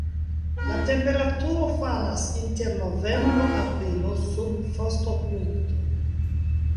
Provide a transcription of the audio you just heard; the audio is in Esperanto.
La temperaturo falas inter novembro-aprilo sub frostopunkto.